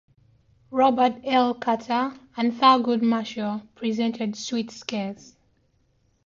Robert L. Carter and Thurgood Marshall presented Sweatt's case.